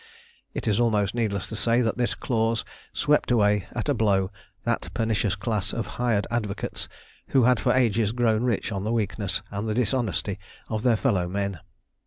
It is almost needless to say that this clause swept away at a blow that pernicious class of hired advocates who had for ages grown rich on the weakness and the dishonesty of their fellow men.